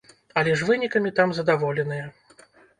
Але ж вынікамі там задаволеныя.